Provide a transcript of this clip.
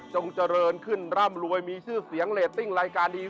เจริญขึ้นร่ำรวยมีชื่อเสียงเรตติ้งรายการดี